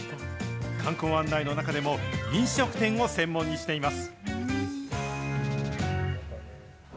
観光案内の中でも、飲食店を専門にしています。